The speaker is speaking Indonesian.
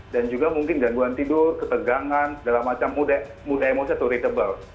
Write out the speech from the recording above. dan juga mungkin gangguan tidur ketegangan segala macam mudah emosi atau irritable